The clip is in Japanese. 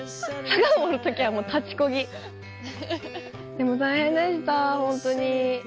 でも大変でしたホントに。